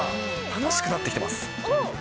楽しくなってきてます。